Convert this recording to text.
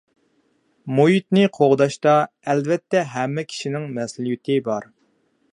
مۇھىتنى قوغداشتا ئەلۋەتتە ھەممە كىشىنىڭ مەسئۇلىيىتى بار.